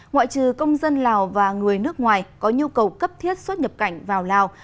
ngoại trừ công dân lào và người nước ngoài có nhu cầu cấp thiết xuất nhập cảnh vào lào